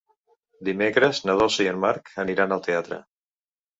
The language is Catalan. Dimecres na Dolça i en Marc aniran al teatre.